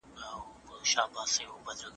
لا به مي څونه ژړوي د عمر توري ورځي